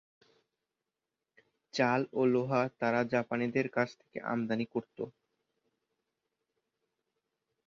চাল ও লোহা তারা জাপানিদের কাছ থেকে আমদানি করত।